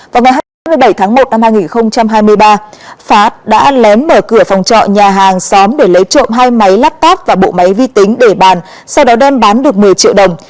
vào ngày hai mươi bảy tháng một năm hai nghìn hai mươi ba pháp đã lém mở cửa phòng trọ nhà hàng xóm để lấy trộm hai máy laptop và bộ máy vi tính để bàn sau đó đơn bán được một mươi triệu đồng